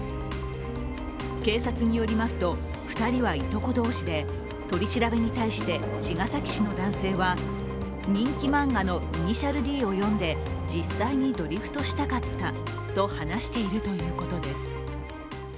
警察によりますと、２人はいとこ同士で取り調べに対して茅ヶ崎市の男性は、人気漫画の「頭文字Ｄ」を読んで実際にドリフトしたかったと話しているということです。